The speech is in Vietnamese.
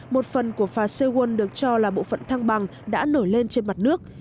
một phần của phà seowon được cho là bộ phận thăng bằng đã nổi lên trên mặt nước